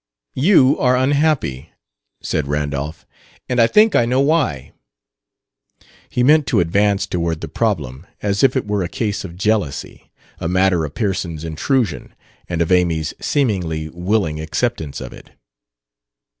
"You are unhappy," said Randolph; "and I think I know why." He meant to advance toward the problem as if it were a case of jealousy a matter of Pearson's intrusion and of Amy's seemingly willing acceptance of it.